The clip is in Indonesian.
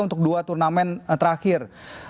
untuk dua turnamen terakhir